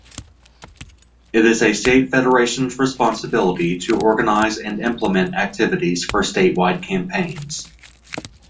It is a state federation's responsibility to organize and implement activities for statewide campaigns.